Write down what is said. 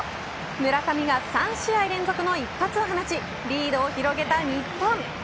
村上が３試合連続の一発を放ちリードを広げた日本。